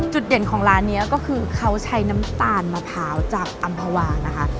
จุดเด่นของร้านนี้ก็คือเขาใช้น้ำตาลมะพร้าวจากอำภาวานะคะ